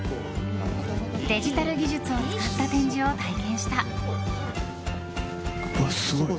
デジタル技術を使った展示を体験した。